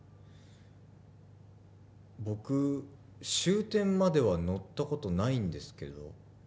僕終点までは乗ったことないんですけど。